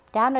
cá nó đi làm